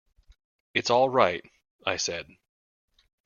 "It's all right," I said.